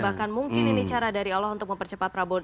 bahkan mungkin ini cara dari allah untuk mempercepat prabowo